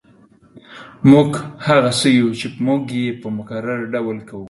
موږ هغه څه یو چې موږ یې په مکرر ډول کوو